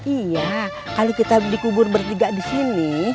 iya kalau kita dikubur bertiga di sini